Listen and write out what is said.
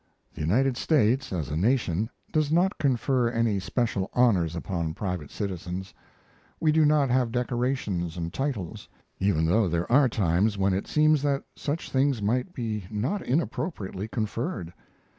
The United States, as a nation, does not confer any special honors upon private citizens. We do not have decorations and titles, even though there are times when it seems that such things might be not inappropriately conferred.